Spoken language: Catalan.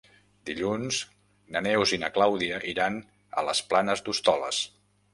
Dilluns na Neus i na Clàudia iran a les Planes d'Hostoles.